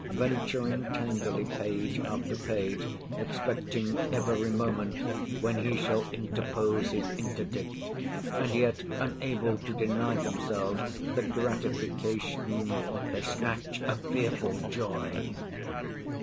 Venturing tenderly, page after page, expecting every moment when he shall interpose his interdict, and yet unable to deny themselves the gratification, they "snatch a fearful joy."